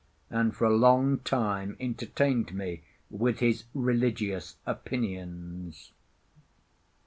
and for a long time entertained me with his religious opinions.